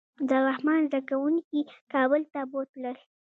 عبدالرحمن زده کوونکي کابل ته بوتلل.